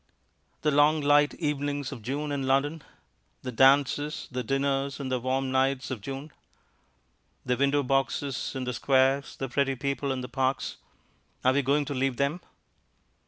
The long light evenings of June in London! The dances, the dinners in the warm nights of June! The window boxes in the squares, the pretty people in the parks; are we going to leave them?